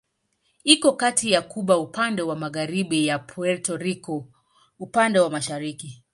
Iko kati ya Kuba upande wa magharibi na Puerto Rico upande wa mashariki.